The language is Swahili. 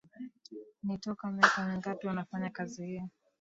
ee nitoka miaka mingapi unafanya kazi hii